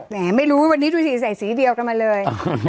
แหละไม่รู้วันนี้ทุกทีใส่สีเดียวกันมาเลย